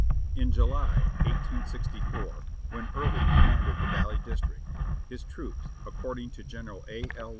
In July, 1864, when Early commanded the Valley District, his troops, according to General A. L.